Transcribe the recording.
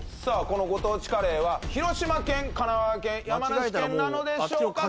このご当地カレーは広島県神奈川県山梨県なのでしょうか？